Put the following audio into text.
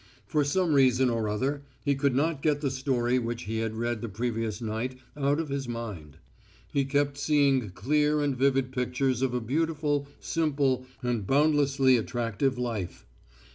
For some reason or other he could not get the story which he had read the previous night out of his mind. He kept seeing clear and vivid pictures of a beautiful, simple, and boundlessly attractive life.